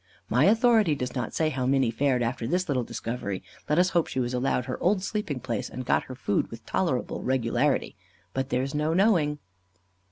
My authority does not say how Minny fared after this little discovery. Let us hope she was allowed her old sleeping place, and got her food with tolerable regularity. But there is no knowing.